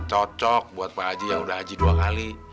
cocok buat pak haji yang udah haji dua kali